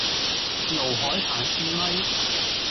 盧海鵬試咪